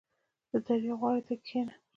• د دریاب غاړې ته کښېنه.